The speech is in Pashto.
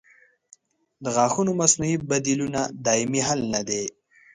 د غاښونو مصنوعي بدیلونه دایمي حل نه دی.